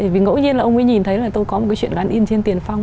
vì ngẫu nhiên là ông ấy nhìn thấy là tôi có một cái chuyện gắn in trên tiền phong